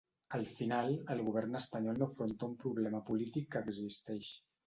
Al final, el govern espanyol no afronta un problema polític que existeix.